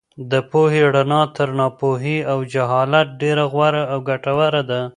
د پوهې رڼا تر ناپوهۍ او جهالت ډېره غوره او ګټوره ده.